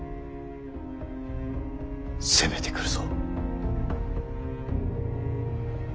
攻めてくるぞ。